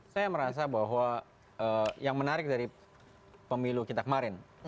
saya merasa bahwa yang menarik dari pemilu kita kemarin